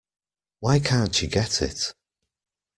Why can't you get it?